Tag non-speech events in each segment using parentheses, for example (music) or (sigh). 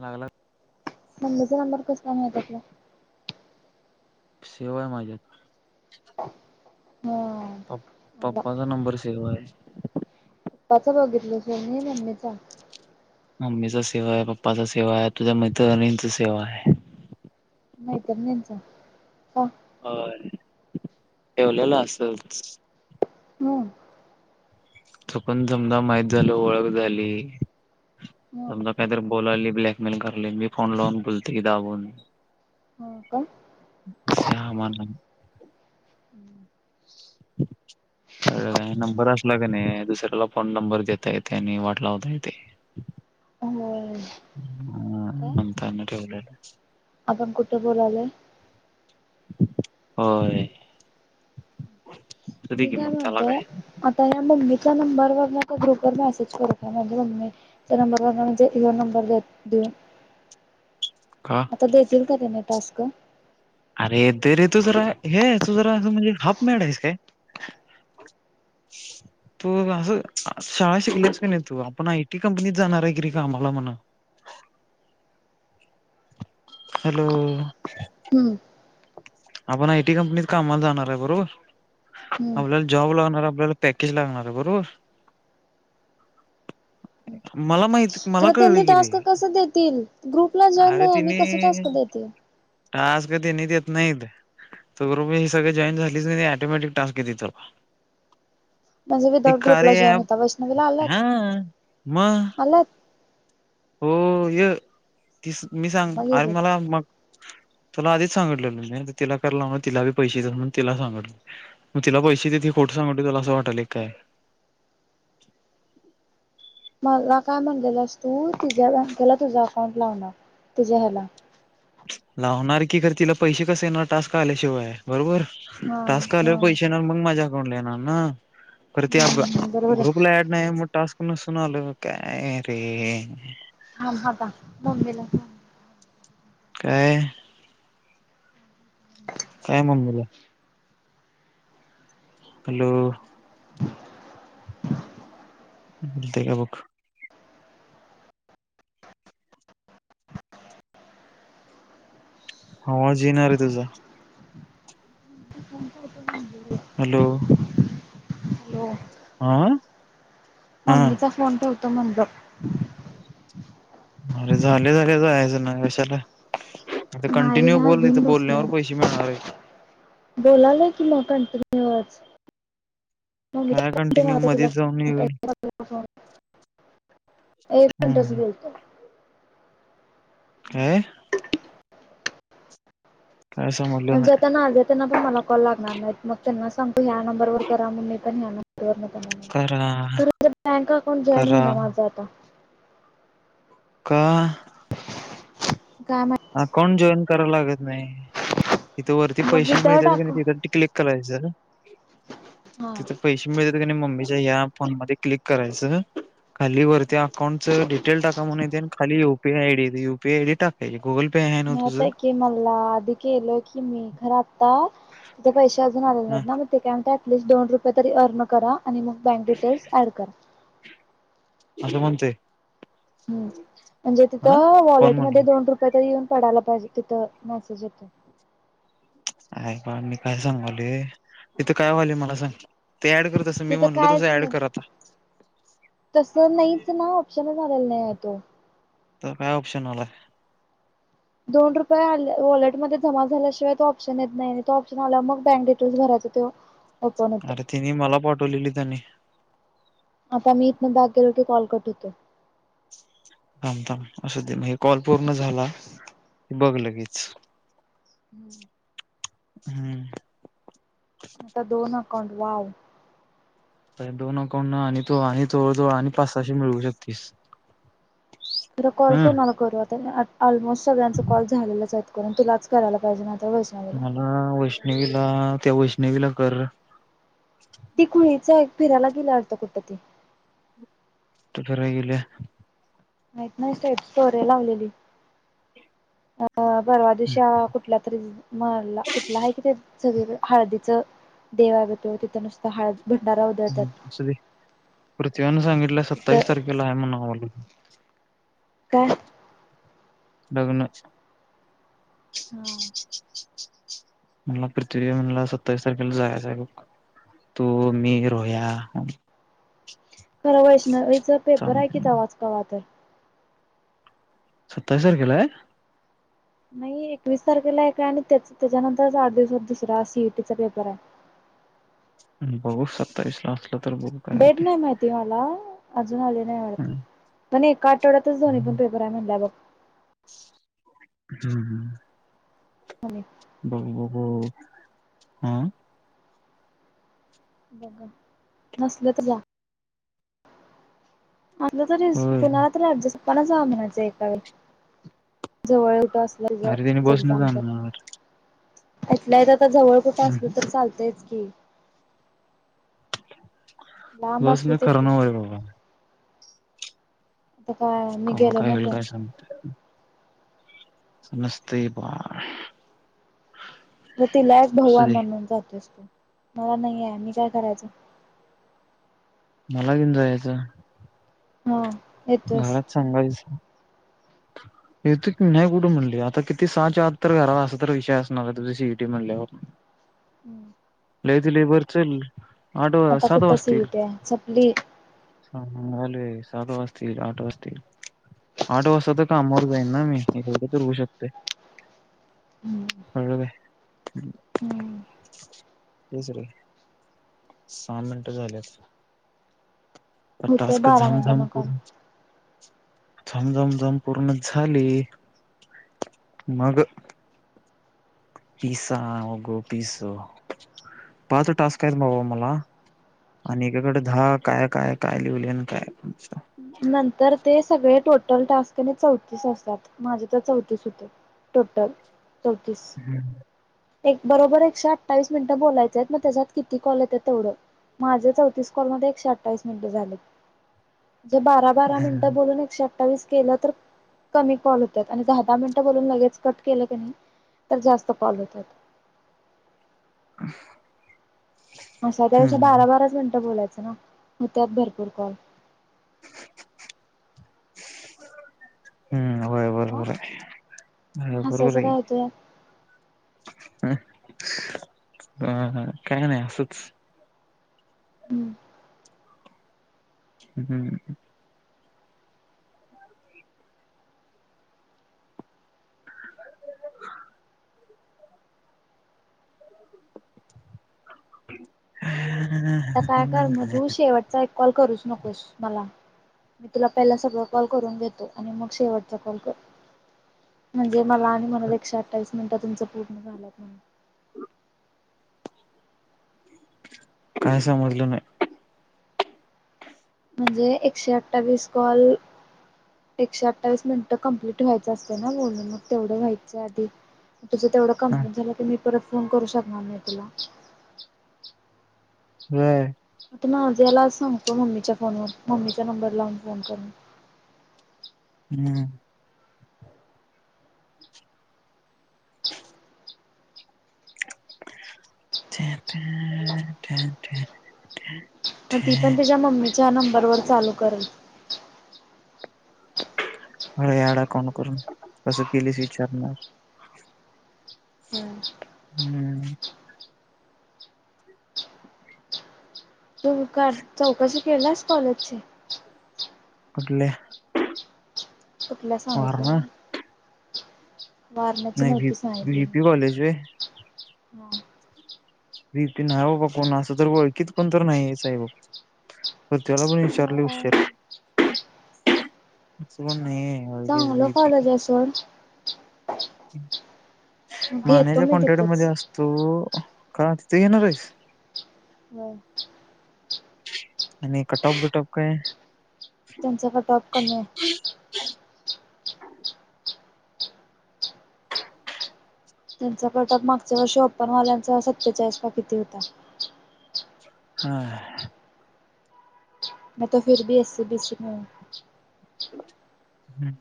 लागला. नंबरचा नंबर कस का माह आपला सेवा आहे माझ्यात हा आला पप्पाचा नंबर. तेव. च बघितला स मम्मीचा. मम्मीचा सेवा आहे पप्पाचा सेवा आहे तुझ्या मैत्रिणींची सेवा आहे. माहत त्यांच का? होय ठेवलेलं असच. (unintelligible) त पण जमजा माहीत झाल ओळख झाली. हम्म समजा काहीतरी बोलाली ब्लॅकमेल करले मी फोन लावून बुोलते दाबून हम. श्या मला हम्म. ह. कळलं काय नंबर असला का नाही दुसऱ्याला फोन नंबर देता येते आणि वाटला होता येते. होय काय हांत ठव. आपण कुठे बोलालो. होय. दे की बीघा मग त्याला काय मध्ये आता या मम्मीच्या नंबरवर ग्रुपवर मेसेज करत आहे माझी मम्मी त्या नंबर म्हणजेन नंबर द देऊन. का? देतील का त्याने टास्क अरे ते रे तू जरा हे तू जरा असं म्हणजे हप मळायस काय? (inaudible) तू असं शाळा शिकलस का नाही तू आपण आयटी कंपनीत जाणार आहे करी कामला म्हणा. हॅलो. हम्म. आपण आयटी कंपनीत कामाला जाणार आहे बरोबर. हम्म आपल्याला जॉब लागणार आपल्याला पॅकेज लागणार आहे बरोबर. मला माहित मला ख कळलं त्यांनी की रे टास्क कस देतील ग्रुपला जॉईन नाही मी कस टास्क देे. ट अस कती नि ते नाहीत त ग्रुप हे सगळे जॉईन झालीच नाही टोमॅटिक टास्क घेत त. म्हणजे ते विदाउट ग्रुपला कारे जॉईन होता वैष्णवीला आल्यात हा म आलात हो य तीस मी सांग मग येऊ दे अरे मला मग तुला आधीच सांगितलेलं मी ति कराय लाव तिलाी पैसे देतस म्हणून तिला सांगले. मग तिला पैसे ते खोटं सांगते तुला असं वाटल काय मला काय म्हण गेलंस तू तिझ्या बँेला तुझा अकाउंट लावणार तुझ्या ह्याला लावणार की खर तिला पैसे कसे येणार टास्क आल्याशिवाय बरोबर. हा हा टस्लेवर पैसे ये मग माझ्या अकाउंटला येणार ना तर ते हम्म बरोबर आहे ग्रुपला. नाही मग टास्क नसून आलं काय रे. थांब होता मुंबईला. काय (inaudible) काय म्हणलं. हॅलो! का बुघ. होवाज येणार आहे तुझा. ण का हॅलो हो. आह. मम्मीचा फोन ठेवतो म्हणलं. अरे झाले झाले जायचं ना कशाला? आता नाही कंटिन्यू ना बोलली तर घेऊन बोलण्यावर पैसे मिळणार आहे बोलालाय कि मकण तुमवज म काय कंटिन्यू ना तुला मध्येच जाऊन येईल एक मिनटच हम्म गेतो अह कसंम पण जताना आले त्यांना पण मला कॉल लागणार नाहीत मग त्यांना सांगू ह्या नंबर करा म्हण मी पण ह्या नं करा र बँक अकाउंट जॉईन होई करा ना माझा आता काहा गामाात अकाउंट जॉईन करायला लागत नाही तथं वरती मग पैसे वितळ मिळत की टाकू नाही तिथ्िक करायच हा तिथ पै मिळत क मम्मीच्या या्या फोन मध्ये क्लिक करायचं खाली वरती अकांटचं डिटे टाका म्हण ये आणि खाली यपीयडी यपीआय डी टाकाय गुगल पे आहे ना तुझं नाहीताय की मल्ला आधी केलो की मी खरं आता तिथे पैसे अजून आले हा नाहीत ना काय म्ह अटिस्ट दोन रुपय तरीर्न करा आणि मग बँक डिटेल्स ऍड करा असं म्हणतेय हम् म्हणजे हा तिथं कोण वॉलेटमध्येध्ये म्हणली दोन रुपये तर येऊन पडायला पाहिजे तिथं मेसेज येत ऐ बा मी काय सांगवले तिथे काय वाले मला सांग ते ऍड करतसं मी तिथं म्हटलो कायच तसं ऍड नाही कर आता तसं नाहीच ना ऑप्शनच आलेला नाही आहे तो तर काय ऑप्शन आलाय दोन रुपया आले वॉलेटमध्ये जमा झाल्याशिवायो ऑप्शन येत नाही तो ऑप्शन आला मग बँक डिटेल्स भरायचं तेो (inaudible) हो पणत तिनी मला पाठवलेली त्यांनी आता मी इथन बाग गेलो के कॉल करट होतो ाम थाम असं दे म्ह कॉल पूर्ण झाला हे बघ ल केच हम्म हम्म आता दोन अकाउंट वाव दोन अकाउंट आणि तो आणि जवळजवळ आणि पाच सशे मिळवू शकतीस इ हं कोळकून नला वर ऑलमोस्ट सगळ्यांचं कॉल झालेच आहेत कर तुलाच करायला पाहिजे ना आता मला वैष्णवीला त्या वैष्णवीला कर ती खुळीच एक फिरायला गेल्या वाटत कुठ तर कुठ फिरायला गेल्या माहीत नाही स्टोरी लावलेली अ परवा दिवशी कुठल्या तरी मला कुठला आहे कि ते सगळी हळदीचं देवावेत तिथं नुसतं हळदी भंडारा हो ह् असं पृथ्वीनं सांगितलं सत्तावीस तिथं तारखेला आहे म्हनुन आमला काय लग्न हा मला पृथ्वी म्हणला सत्तावीस तारखेला जायचं आहे बघ. तू मी रोया खरं वैष्णवी च पेपर आहे कि तवाच वाटत सत्तावीस तारखेला आहे. नाही एकवीस तारखेला एक काय आणि त्याच त्याच्यानंतर आठ दिवसात दुसरा सीईटीचा पेपर आहे. बघू सत्तावीस ला असलं तर बघ डेट नाही माहिती मला अजून आली नाही वाटत पण एका आठवड्यातच दोन पण पेपर काय म्हणत्या बघ हम् आणि बघ बघू हा बघ नसलं तर जा आता तरी होय कुणाला तर ऍडजेस्ट पणाच ह म्हणायचं एका वळ जवळ होत असेल अरे त्याने ते बसन एक्झाम जाणार तर इथल्या इथ जवळ कुठं असल तरी चालतयच की, लांब बस असलं तर खर तू नाय होय आता बाबा आता काय मी गेलो नव्हतो. ह ते नसतेय. मग तिला एक भाऊ म्हणून जाते मला नाही आहे मी काय करायचं. मला घेऊन जा यायचं. हा येतोयस सांगायच. येतो की नाही कुठे म्हणली आता किती सहा च आत तर घरा असा तर विषय असणार आहे तुझी सीईटी म्हणट ल्यावर हम् लाईट लई बर चल आठ आता सातवाज कुठं वाजतील. सीईटी आहे संपली ह ह अल सात वाजतील आठ वाजतील असतील आ तर कामावर जाईन ना मी ए तर होऊ शकते हम्म बघ बाई आहे. ह हम्म तसरे सहा मिनटं झाल्या. होतय टस्क बारा झमझम मिनिटांन कॉल करून झमझम झम पूर्ण झाली मग पिसा होगो पिस पाच टास्क आहे बाबा मला आणि एकाकडें दहा काय काय काय लिहवलय आणि काय नंतर ते सगळे टोटल टास्कने चौतीस असतात माझे तर चौतीस होते. टोटल चौतीस हम्म. एक बरोबर एकशे अठ्ठावीस मिनिटं बोलायचं आहेत मग त्याच्यात किती कॉल येते तेवढं माझे चौतीस कॉलमध्येध्ये एकशे अठ्ठावीस मिनिटे झाले जे बारा बारा मिनिटं बोलून एकशे अठ्ठावीस केलं तर कमी कॉल होतात आणि दहा दहा मिनिटं बोलून लगेच कट केलं की नाही. तर जास्त कॉल येतात. अ असा त्या दिवष बारा बाराच मिनटं बोलायचं ना होत्यात भरपूर कॉल, हम् होय हो बरोबर आहे होय हसायचं काय होतो या. ह ह काय नाही असंच. हम्म हम्. (inaudible) आता काय कर मग तू शेवटचा एक कॉल करूच नकोस मला मी तुला पहिला सगळं कॉल करून देतो आणि मग शेवटचा कॉल कर म्हणजे मला आणि मला एकशे अठ्ठावीस मिनिटं तुमचं पूर्ण झालं म्हण काय समजलं नाही म्हणजे एकशे अठ्ठावीस कॉल एकशे अ्ठवीस मिनिटं कं्प्लीट व्हायच असते ना बोलून मग तेवढे व्हायचं आधी तुझं तेवढं कंप्लेंट झालं तर मी परत फोन करू शकणार नाही तुला हम् आता नाझ यालाज सांगतो मम्मीच्या फोनवर मम्मीच्या नंबर लावून फोन करून हम् ते ते मग ती पण त्याच्या मम्मीच्या नंबरवरर चालू करल याडा कोण करून कसं केलीस विचारणार हम्म तू का चौकशी केलीस कॉलेजची कठले तुटल्या सांगितलं वारणा वारणच नाही व्ही नोकीी सांगितली व्हीपी कॉलेज व ह बीतीन आहे बा बा कोण असं तर ओळखीत कोण तर नाही साहे बा प त्याला पण विचारले हशार असं पण नाहीे चांगलं कॉलजसवर घेतो माण्या्याच्या मी कन्टेट मध्ये तिथंच असतो का तिथे येणार आहेस होम आणि कटॉप दटॉप काय त्यांचा काा टॉप कमी आहे त्यांचा कटक मागच्या वर्ष प्पन वाल्यांचा सततेचा इसपा किती होता हा म त फरी एस सी बीस हम्म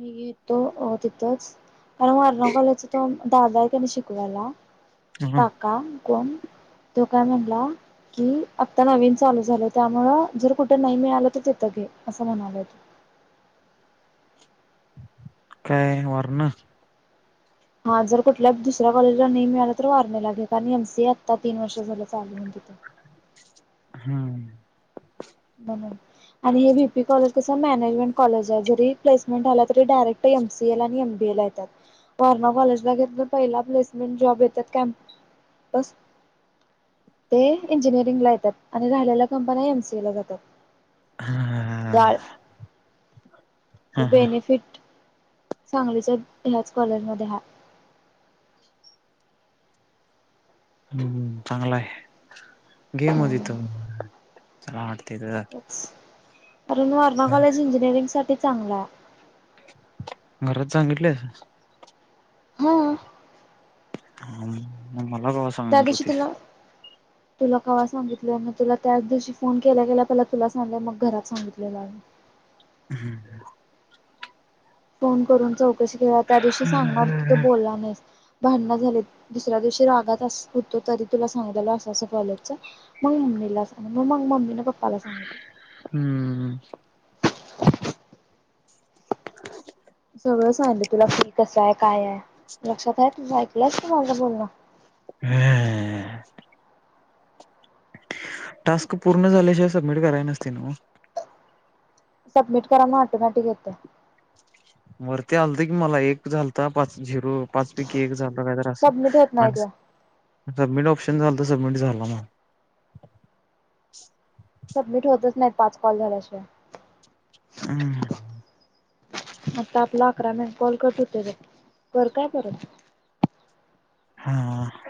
म घेतो तिथंच कारण वर्ण कॉलेचा तो दादा आहे त्याने शिकवायला काका कोण तो काय म्हणला कि आत्ता नवीन चालू झालं त्यामुं जर कुठे नाही मिळालं तर तिथं घे असं म्हणालंेत काय वार ना हा जर कुठल्या दुसऱ्या कॉलेजला नाही मिळालं तर वारणे लागेल कारण एमसीए आत्ता तीन वर्ष झालं चाल ते (unintelligible) हा म्हणून आणि हे बीपी कॉलेज कस मॅनेजमेंट कॉलेज जरी प्लेसमेंट झाला तरी डायरेक्ट एमसीए ला आणि एमबीए ला येतात. वर्णा कॉलेजला घेत तर पहिला प्लेसमेंट जॉब येतात.. कॅम्पस ते इंजिनिअरिंग ला येतात, आणि राहिलेला कंपन एमसीए ला जातात. गाळ हा. हा, हा. बेनिफिट सांगलीच्या ह्याच कॉलेज मध्ये ह्या हं चांगला आहे. गेम होती त चला हटतीथ अरुण वर्णा कॉलेज इंजिनिअरिंग साठी चांगला आहे. घरात सांगितलंस? हा हा मला क (unintelligible) त्यादिवशी तिला तुला केव्हा सांगितलंय म तुला त्याच दिवशी फोन केला गेला पहिला तुला सांगलंय मग घरात सांगितलेलं हम्म ह फोन करून चौकशी केला त्या दिवशी सांगणारतीी तो बोलला नाहीस भांडण झाले दुसऱ्या दिवशी रागात होतो तरी तुला सांगलेल असं असं कॉलेच मग मम्मीला सग मग मग मममी ना पप्पाला सांगत हम्म सगळं सांगितलं तुला फ्री कसं आहे? काय आहे लक्षात आहे तुझ ऐकलंयच त माझ बोलणं? ह (unintelligible) टास्क पूर्ण झाल्याशिवाय सबमिट करायच नसतय ना सबमिट करा नाऑटोमॅटिक वरती आलत की मला एक झालता पाच, झिरो पाच पैकी एक झालं काय तर असं सबमिट होत नाही आणि तुला सबमिट ऑप्शन झालं तर सबमिट झालं मला सबमिट होतच नाहीत पाच कॉल झाल्याशिवाय हं हं आता आपला अकरा मेन कॉल करत होते ते कर काय परत हा